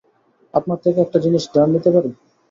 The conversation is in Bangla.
আপনার থেকে একটা জিনিস ধার নিতে পারি?